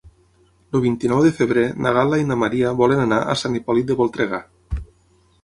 El vint-i-nou de febrer na Gal·la i na Maria volen anar a Sant Hipòlit de Voltregà.